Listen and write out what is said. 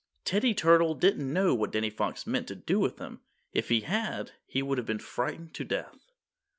Teddy Turtle didn't know what Danny Fox meant to do with him. If he had he would have been frightened to death.